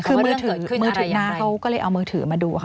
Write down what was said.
คือมือถือนางเขาก็เลยเอามือถือมาดูค่ะ